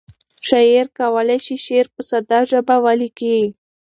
شاعر کولی شي شعر په ساده ژبه ولیکي.